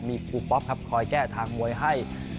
มีครูป๊อปครับคอยแก้ทางมวยให้